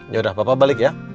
yaudah papa balik ya